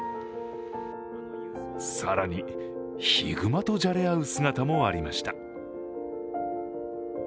更に、ヒグマとじゃれ合う姿もありました。